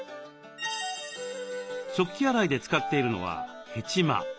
食器洗いで使っているのはヘチマ。